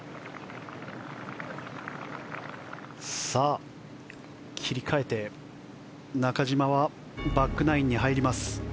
さあ、切り替えて中島はバックナインに入ります。